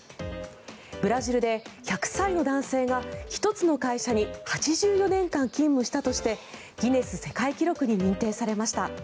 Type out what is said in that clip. ブラジルで１００歳の男性が１つの会社に８４年間勤務したとしてギネス世界記録に認定されました。